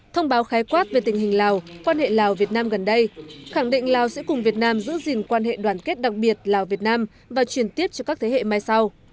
thông báo khái quát về tình hình lào quan hệ lào việt nam gần đây khẳng định lào sẽ cùng việt nam giữ gìn quan hệ đoàn kết đặc biệt lào việt nam và truyền tiếp cho các thế hệ mai sau